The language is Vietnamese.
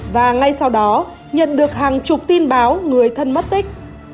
và ngay sau đó nhận được hàng chục tin báo người thân mất tích